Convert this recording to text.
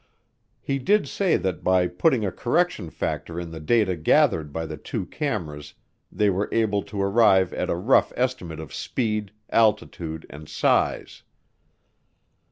He did say that by putting a correction factor in the data gathered by the two cameras they were able to arrive at a rough estimate of speed, altitude, and size.